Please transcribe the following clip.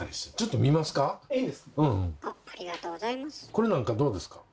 これなんかどうですか。